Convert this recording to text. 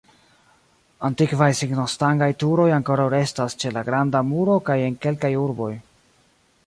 Antikvaj signostangaj turoj ankoraŭ restas ĉe la Granda Muro kaj en kelkaj urboj.